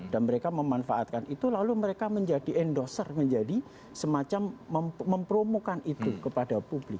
dan mereka memanfaatkan itu lalu mereka menjadi endoser menjadi semacam mempromokan itu kepada publik